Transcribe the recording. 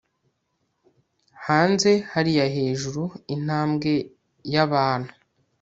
Hanze hariya hejuru Intambwe yabantu